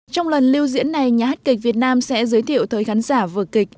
trong lần lưu diễn này nhà hát kịch việt nam sẽ giới thiệu tới khán giả vợ kịch